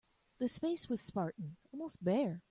The space was spartan, almost bare.